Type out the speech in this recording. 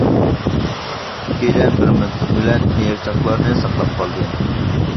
ئىككىيلەن بىر مىلتىق بىلەن ئېيىقچاقلارنى ساقلاپ قالدى.